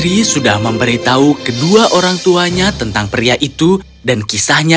diaf adjust memadilkan jievenacking dan mengicapkan saya